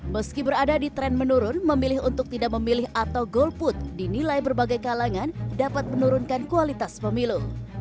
meski berada di tren menurun memilih untuk tidak memilih atau golput dinilai berbagai kalangan dapat menurunkan kualitas pemilu